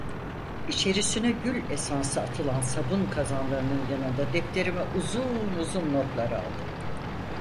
İçerisine gül esansı atılan sabun kazanlarının yanında defterime uzun uzun notlar aldım.